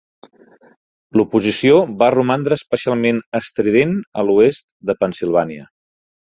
L'oposició va romandre especialment estrident a l'oest de Pennsilvània.